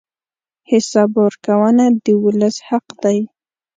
حساب ورکونه د ولس حق دی.